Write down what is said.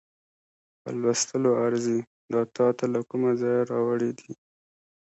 په لوستلو ارزي، دا تا له کومه ځایه راوړې دي؟